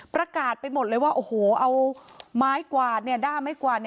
ประกาศไปหมดเลยว่าโอ้โหเอาไม้กวาดด้ามไม้กวาด